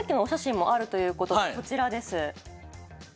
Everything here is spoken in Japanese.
こちらです。